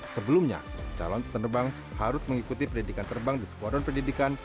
sebelumnya calon penerbang harus mengikuti pendidikan terbang di skuadron pendidikan